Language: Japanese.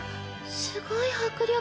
すごい迫力。